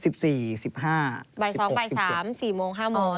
บ่าย๒บ่าย๓๔โมง๕โมง